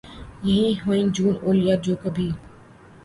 ہیں یہی جونؔ ایلیا جو کبھی